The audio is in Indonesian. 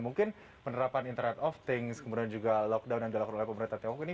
mungkin penerapan internet of things kemudian juga lockdown yang dilakukan oleh pemerintah tiongkok ini